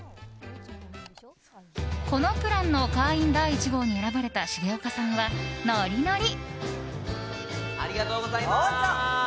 このプランの会員第１号に選ばれた重岡さんはノリノリ！